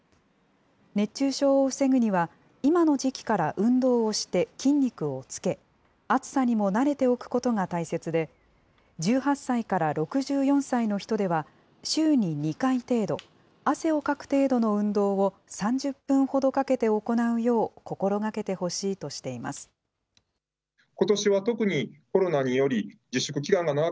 熱中症を防ぐには、今の時期から運動をして筋肉をつけ、暑さにも慣れておくことが大切で、１８歳から６４歳のひとでは、週に２回程度、汗をかく程度の運動を３０分ほどかけて行うよう心がけてほしいとしています。